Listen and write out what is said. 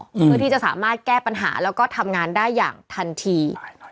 เพื่อที่จะสามารถแก้ปัญหาแล้วก็ทำงานได้อย่างทันที